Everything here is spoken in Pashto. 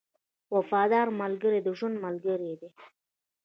• وفادار ملګری د ژوند ملګری دی.